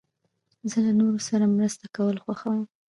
زه له نورو سره مرسته کول خوښوم.